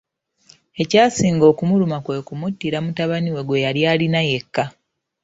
Ekyasinga okumuluma kwe kumuttira mutabani we gwe yali alina yekka.